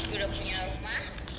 gue udah punya rumah